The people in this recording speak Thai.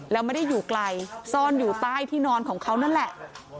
แล้วไม่ได้อยู่ไกลซ่อนอยู่ใต้ที่นอนของเขานั่นแหละ